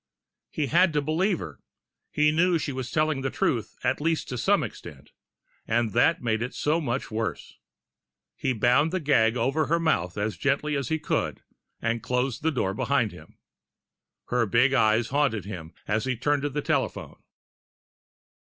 He had to believe her he knew she was telling the truth, at least to some extent. And that made it just so much worse. He bound the gag over her mouth as gently as he could, and closed the door behind him. Her big eyes haunted him as he turned to the telephone.